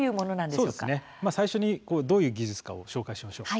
改めてどういう技術か紹介しましょう。